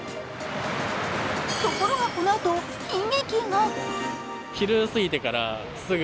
ところがこのあと、悲劇が。